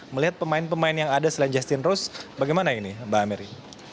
melihat pemain pemain yang ada selain justin rose bagaimana ini mbak mary